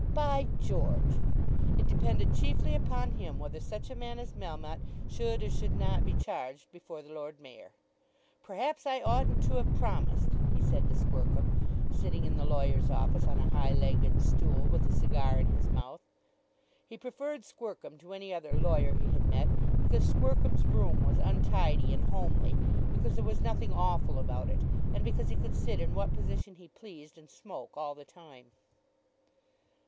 "By George!" It depended chiefly upon him whether such a man as Melmotte should or should not be charged before the Lord Mayor. "Perhaps I oughtn't to have promised," he said to Squercum, sitting in the lawyer's office on a high legged stool with a cigar in his mouth. He preferred Squercum to any other lawyer he had met because Squercum's room was untidy and homely, because there was nothing awful about it, and because he could sit in what position he pleased, and smoke all the time.